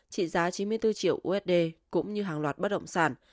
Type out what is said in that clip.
trị giá chín mươi bốn triệu usd cũng như hàng loạt bất động sản